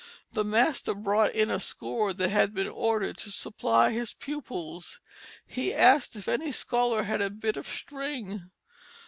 The master brought in a score that had been ordered to supply his pupils. He asked if any scholar had a bit of string.